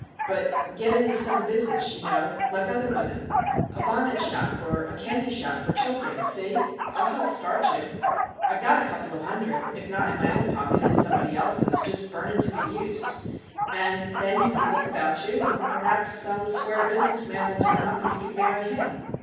But get into some business you know, like other women. A bonnet shop, or a candy shop for children, see ? I '11 help start you. 26 MR. JACK HAMLIN'S MEDIATION I 've got a couple of hundred, if not in my own pocket in somebody's else, just burning to be used ! And then you can look about you ; and perhaps some square business man will turn up and you can marry him.